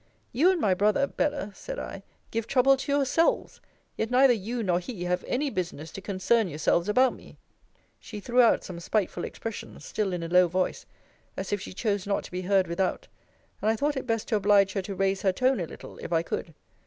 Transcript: You and my brother, Bella, said I, give trouble to yourselves; yet neither you nor he have any business to concern yourselves about me. She threw out some spiteful expressions, still in a low voice, as if she chose not to be heard without; and I thought it best to oblige her to raise her tone a little, if I could.